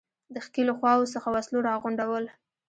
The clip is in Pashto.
د ښکېلو خواوو څخه وسلو را غونډول.